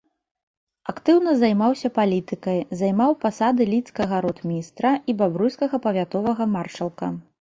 Актыўна займаўся палітыкай, займаў пасады лідскага ротмістра і бабруйскага павятовага маршалка.